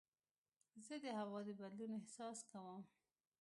زه د هوا د بدلون احساس کوم.